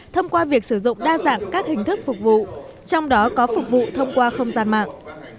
thông qua việc sử dụng đa dạng các hình thức phục vụ trong đó có phục vụ thông qua không gian mạng